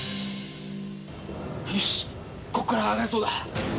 よしここから上がれそうだ。